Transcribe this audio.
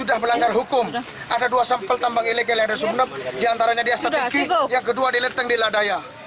ada dua sampel tambang ilegal yang ada di sumeneb diantaranya di astatiki yang kedua di leteng di ladaya